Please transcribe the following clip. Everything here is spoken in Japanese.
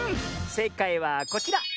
せいかいはこちら！